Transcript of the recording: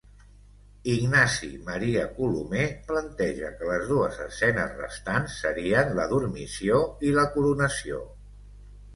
Ignasi Maria Colomer planteja que les dues escenes restants serien la Dormició i la Coronació.